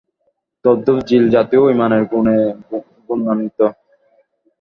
তদ্রুপ জিন জাতিও ঈমানের গুণে গুণান্বিত।